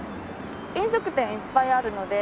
飲食店いっぱいあるので。